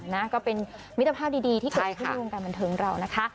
น่าจะเป็นวิธีภาพดีที่เกิดอยู่ในวงการบรรเทิงเรานะคะ